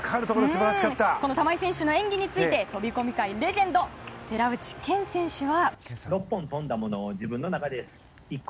この玉井選手の演技について飛び込み界のレジェンド寺内健選手は。